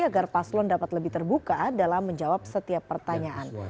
agar paslon dapat lebih terbuka dalam menjawab setiap pertanyaan